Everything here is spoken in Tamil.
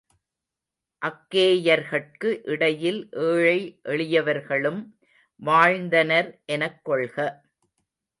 அக்கேயர்கட்கு இடையில் ஏழை எளியவர்களும் வாழ்ந்தனர் எனக்கொள்க.